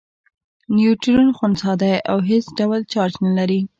نیوټرون خنثی دی او هیڅ ډول چارچ نلري.